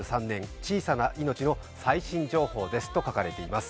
小さな命の最新情報ですと書かれています。